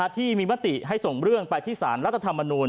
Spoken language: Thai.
ที่มีมติให้ส่งเรื่องไปที่สารรัฐธรรมนูล